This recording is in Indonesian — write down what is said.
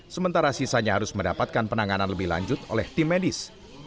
sementara sisanya harus mendapatkan penanganan lebih lanjut oleh tim medis